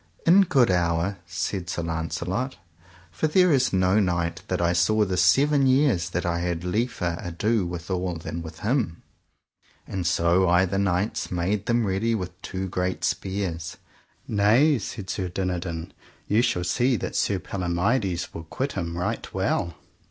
In good hour, said Sir Launcelot, for there is no knight that I saw this seven years that I had liefer ado withal than with him. And so either knights made them ready with two great spears. Nay, said Sir Dinadan, ye shall see that Sir Palomides will quit him right well.